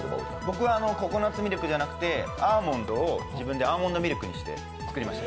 僕はココナッツミルクじゃなくて自分でアーモンドミルクにして作りました。